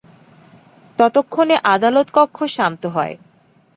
ততক্ষণে আদালত কক্ষ শান্ত হয়।